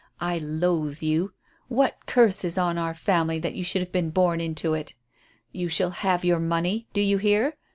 I loathe you! What curse is on our family that you should have been born into it? You shall have your money; do you hear?